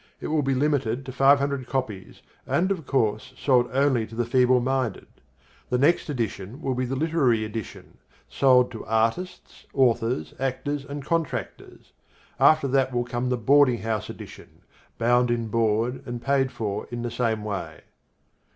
It will be limited to five hundred copies and, of course, sold only to the feeble minded. The next edition will be the Literary Edition, sold to artists, authors, actors and contractors. After that will come the Boarding House Edition, bound in board and paid for in the same way.